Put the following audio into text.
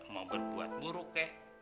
mau berbuat buruk kek